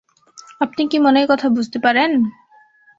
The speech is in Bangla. আপনি কি মনের কথা বুঝতে পারেন?